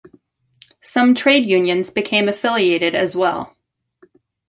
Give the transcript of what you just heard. Some trade unions became affiliated as well.